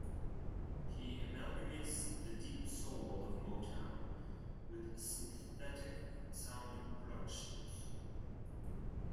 He amalgamates the deep soul of Motown with synthetic sound productions.